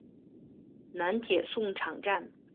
南铁送场站。